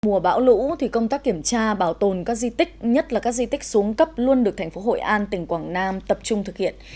mùa bão lũ thì công tác kiểm tra bảo tồn các di tích nhất là các di tích xuống cấp luôn được thành phố hội an tỉnh quảng nam tập trung thực hiện